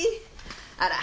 あら。